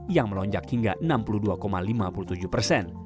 yang melonjak hingga enam puluh dua lima puluh tujuh persen